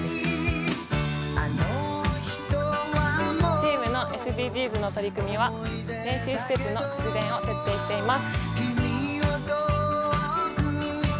チームのＳＤＧｓの取り組みは、練習施設の節電を徹底しています。